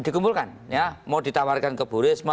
dikumpulkan ya mau ditawarkan ke burisma